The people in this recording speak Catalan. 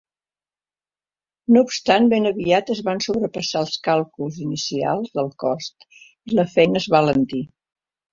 No obstant, ben aviat es van sobrepassar els càlculs inicials del cost i la feina es va alentir.